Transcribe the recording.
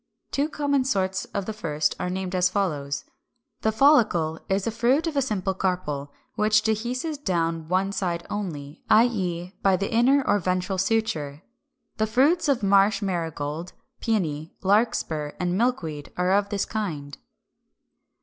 Two common sorts of the first are named as follows: 367. =The Follicle= is a fruit of a simple carpel, which dehisces down one side only, i. e. by the inner or ventral suture. The fruits of Marsh Marigold (Fig. 392), Pæony, Larkspur, and Milkweed are of this kind.